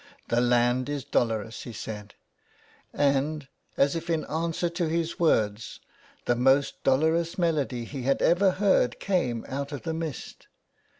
'' The land is dolorous," he said, and as if in answer to his words the most dolorous melody he had ever heard came out of the mist.